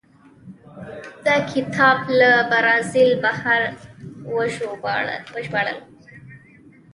دا کتاب له برازیل بهر وژباړل شو.